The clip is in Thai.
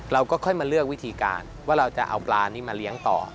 เราก็ค่อยมาเลือกวิธีการว่าเราจะเอาปลานี้มาเลี้ยงต่อ